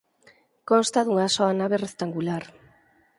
Consta dunha soa nave rectangular.